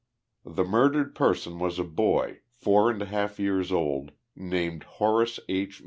The murdered person was a boy, four and a half years old, named Horace II.